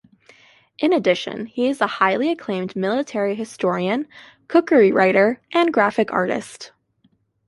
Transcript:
In addition he is a highly acclaimed military historian, cookery writer, and graphic artist.